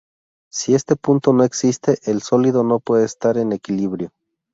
Si este punto no existe, el sólido no puede estar en equilibrio.